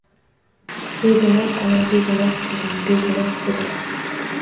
Begunoh ona. Begunoh kelin. Begunoh go’dak.